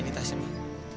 ini tasnya mbak